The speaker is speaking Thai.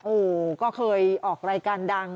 โอ้โหก็เคยออกรายการดัง